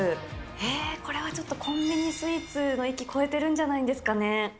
へー、これはちょっとコンビニスイーツの域、超えてるんじゃないですかね。